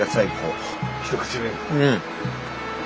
うん。